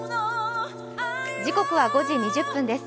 時刻は５時２０分です。